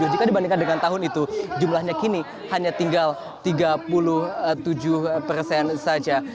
jika dibandingkan dengan tahun itu jumlahnya kini hanya tinggal tiga puluh tujuh persen saja